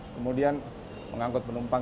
kemudian mengangkut penumpang